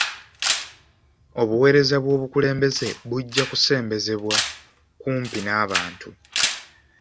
Obuweereza bw'obukulembeze bujja kusembezebwa kumpi n'abantu.